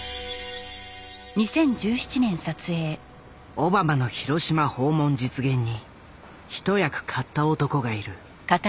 オバマの広島訪問実現に一役買った男がいる。